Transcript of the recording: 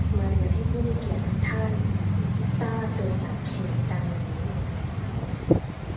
มาเหลือให้ผู้มีเขตทั้งท่านทราบโดยสับเขตตามนี้